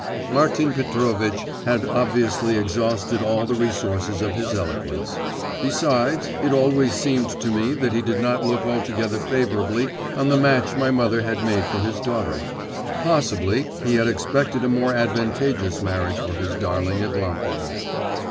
Martin Petrovitch had obviously exhausted all the resources of his eloquence. Besides, it always seemed to me that he did not look altogether favourably on the match my mother had made for his daughter; possibly, he had expected a more advantageous marriage for his darling Evlampia.